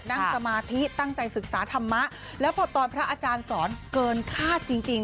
นั่งสมาธิตั้งใจศึกษาธรรมะแล้วพอตอนพระอาจารย์สอนเกินคาดจริงจริง